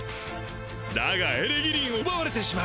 だがエレギリンを奪われてしまう！